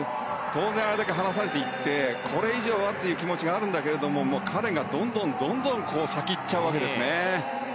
当然あれだけ離されていってこれ以上はという気持ちはあるんだけど彼がどんどん先に行っちゃうわけですね。